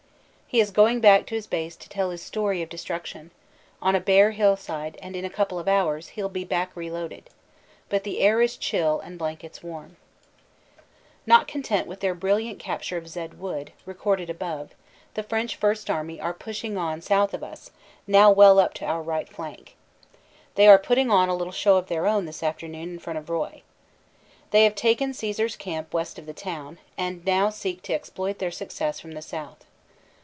He is going back to his base to tell his story of destruction on a bare hillside and in a couple of hours he ll be back reloaded. But the air is chill and blankets warm. 8 98 CANADA S HUNDRED DAYS Not content with their brilliant capture of Zed Wood, recorded above, the French First Army are pushing on south of us, now well up to our right flank. They are putting on a little show of their own this afternoon in front of Roye. They have taken Caesar s Camp west of the town, and now seek to exploit their success from the south.